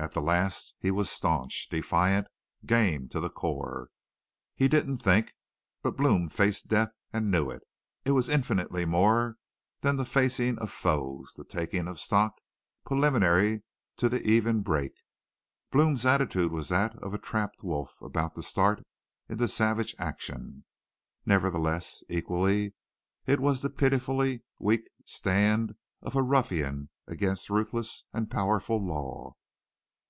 At the last he was staunch, defiant, game to the core. He didn't think. But Blome faced death and knew it. It was infinitely more than the facing of foes, the taking of stock, preliminary to the even break. Blome's attitude was that of a trapped wolf about to start into savage action; nevertheless, equally it was the pitifully weak stand of a ruffian against ruthless and powerful law.